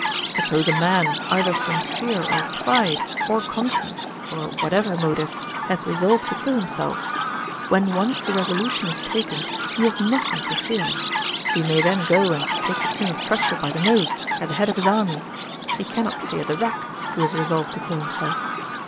Suppose a man, either from fear, or pride, or conscience, or whatever motive, has resolved to kill himself; when once the resolution is taken, he has nothing to fear. He may then go and take the King of Prussia by the nose, at the head of his army. He cannot fear the rack, who is resolved to kill himself.